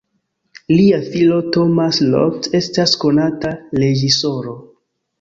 Lia filo Thomas Roth estas konata reĝisoro.